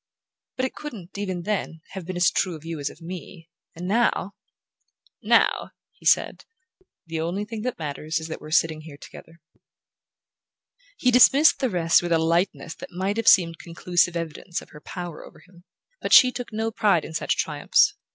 But it couldn't, even then, have been as true of you as of me; and now " "Now," he said, "the only thing that matters is that we're sitting here together." He dismissed the rest with a lightness that might have seemed conclusive evidence of her power over him. But she took no pride in such triumphs.